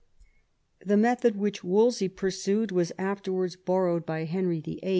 The method which Wolsey pursued was afterwards borrowed by Henry VIII.